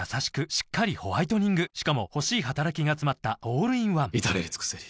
しっかりホワイトニングしかも欲しい働きがつまったオールインワン至れり尽せり